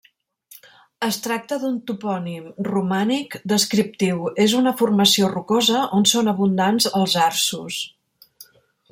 Es tracta d'un topònim romànic descriptiu: és una formació rocosa on són abundants els arços.